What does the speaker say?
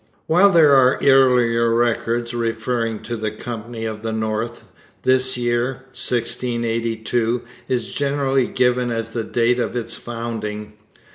While there are earlier records referring to the Company of the North, this year (1682) is generally given as the date of its founding.